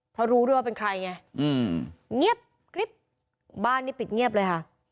เพราะรู้เรื่องว่าเป็นใครไงอืมเงียบบ้านนี้ปิดเงียบเลยค่ะ